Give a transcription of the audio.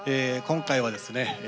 今回はですね